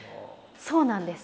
そうなんです。